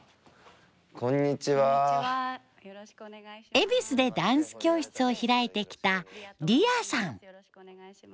恵比寿でダンス教室を開いてきたＲｈｉａさん。